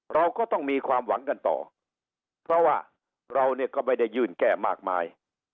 เราก็ต้องมีความหวังกันต่อเพราะว่าเราเนี่ยก็ไม่ได้ยื่นแก้มากมาย